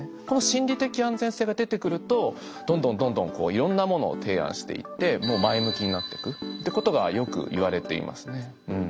この心理的安全性が出てくるとどんどんどんどんいろんなものを提案していって前向きになっていくってことがよく言われていますね。